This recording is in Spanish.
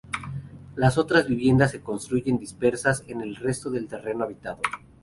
Las otras viviendas se construyen dispersas en el resto del terreno habitado.